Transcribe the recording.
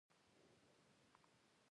په مټې خوارۍ پلته بله شوه او اور یې واخیست.